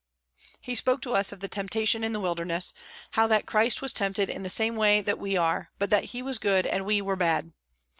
He spoke to us of the tempta tion in the wilderness, how that Christ was tempted in the same way that we are, but that He was good and we were bad.